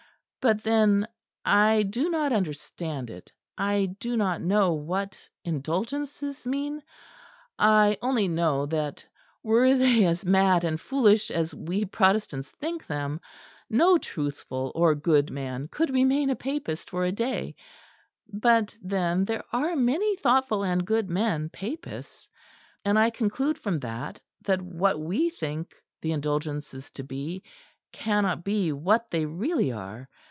But then I do not understand it; I do not know what indulgences mean; I only know that were they as mad and foolish as we Protestants think them, no truthful or good man could remain a Papist for a day; but then there are many thoughtful and good men Papists; and I conclude from that that what we think the indulgences to be, cannot be what they really are.